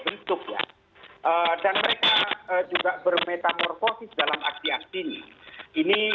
bentuk ya dan mereka juga bermetamorfosis dalam aksi aksi ini